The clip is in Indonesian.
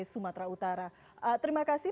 sumatera utara terima kasih